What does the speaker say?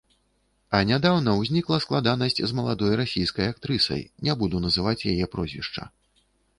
А нядаўна ўзнікла складанасць з маладой расійскай актрысай, не буду называць яе прозвішча.